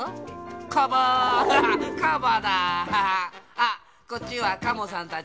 あっこっちはカモさんたちだ。